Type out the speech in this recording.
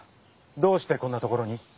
どうしてこんな所に？